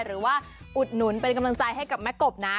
อุดหนุนเป็นกำลังใจให้กับแม่กบนะ